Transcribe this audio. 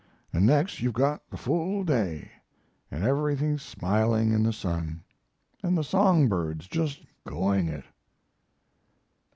And next you've got the full day, and everything smiling in the sun, and the song birds just going it!